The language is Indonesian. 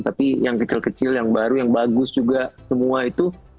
tapi yang kecil kecil yang baru yang bagus juga semua itu